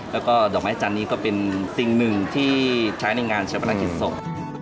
แล้วก็ดอกไม้จันนี้ก็เป็นติ่งหนึ่งที่ใช้ในงานชะพนักกิจศพ